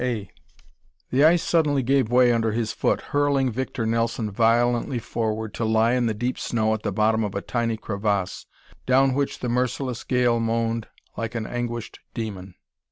] CHAPTER I The ice suddenly gave way under his foot, hurling Victor Nelson violently forward to lie in the deep snow at the bottom of a tiny crevasse, down which the merciless gale moaned like an anguished demon.